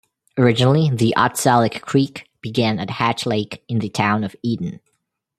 Originally the Otselic Creek began at Hatch Lake in the Town of Eaton.